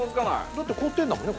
だって凍ってるんだもんね